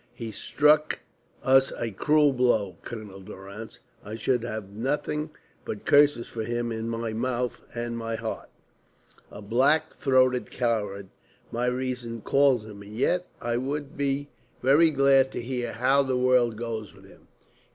He struck us a cruel blow, Colonel Durrance. I should have nothing but curses for him in my mouth and my heart. A black throated coward my reason calls him, and yet I would be very glad to hear how the world goes with him.